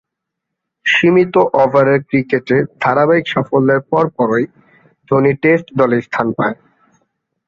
সীমিত ওভারের ক্রিকেটে ধারাবাহিক সাফল্যের পরপরই ধোনি টেস্ট দলে স্থান পান।